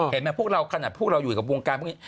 เห็นไหมพวกเราขนาดพวกเราอยู่กับวงการพวกนี้